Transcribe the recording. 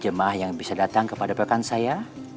jemaah yang bisa datang kepada rekan saya